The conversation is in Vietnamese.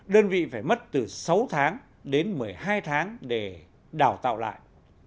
đơn vị phải mất từ sáu tháng đến một mươi hai tháng để đào tạo lại